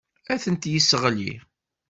Ad ten-yesseɣli.